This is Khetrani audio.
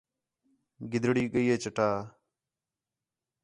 گِدڑی ڳئی چٹا